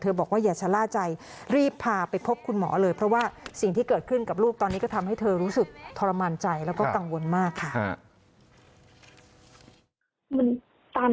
บอกว่าอย่าชะล่าใจรีบพาไปพบคุณหมอเลยเพราะว่าสิ่งที่เกิดขึ้นกับลูกตอนนี้ก็ทำให้เธอรู้สึกทรมานใจแล้วก็กังวลมากค่ะ